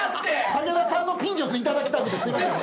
武田さんのピンチョス頂きたくてすいません。